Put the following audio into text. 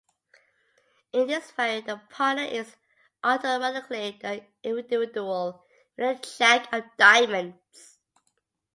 In this variant, the partner is automatically the individual with the jack of diamonds.